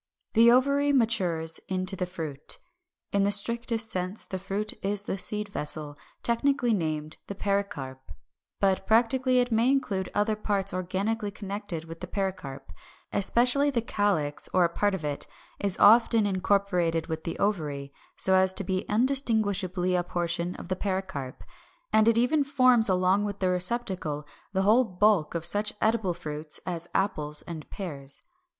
= The ovary matures into the Fruit. In the strictest sense the fruit is the seed vessel, technically named the PERICARP. But practically it may include other parts organically connected with the pericarp. Especially the calyx, or a part of it, is often incorporated with the ovary, so as to be undistinguishably a portion of the pericarp, and it even forms along with the receptacle the whole bulk of such edible fruits as apples and pears.